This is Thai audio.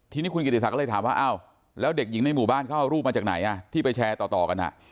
ทีนี้คุณกิติศักดิ์ก็เลยถามว่าอ้าวแล้วเด็กหญิงในหมู่บ้านเขาเอารูปมาจากไหนที่ไปแชร์ต่อกัน